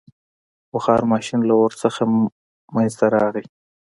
• بخار ماشین له اور څخه منځته راغی.